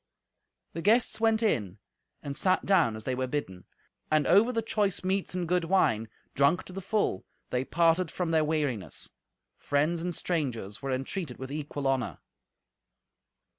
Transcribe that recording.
The guests went in and sat down as they were bidden, and over the choice meats and good wine, drunk to the full, they parted from their weariness. Friends and strangers were entreated with equal honour.